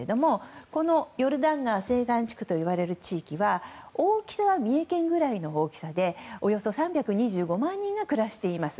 ヨルダン川西岸地区といわれる地域は大きさは三重県ぐらいの大きさでおよそ３２５万人が暮らしています。